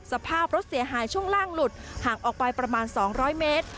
สภาพรถเสียหายช่วงล่างหลุดห่างออกไปประมาณ๒๐๐เมตร